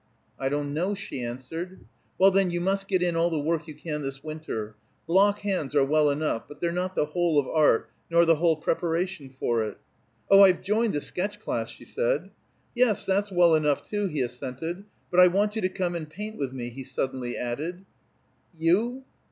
"I don't know," she answered. "Well, then, you must get in all the work you can this winter. Block hands are well enough, but they're not the whole of art nor the whole preparation for it." "Oh, I've joined the sketch class," she said. "Yes, that's well enough, too," he assented. "But I want you to come and paint with me," he suddenly added. "You?